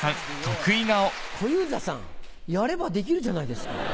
小遊三さんやればできるじゃないですか。